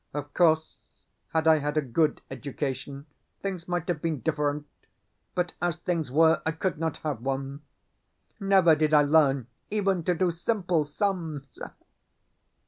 Of course, had I had a good education, things might have been different; but, as things were, I could not have one. Never did I learn even to do simple sums!